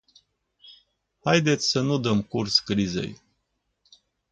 Haideți să nu dăm curs crizei.